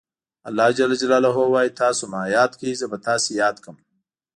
الله ج وایي تاسو ما یاد کړئ زه به تاسې یاد کړم.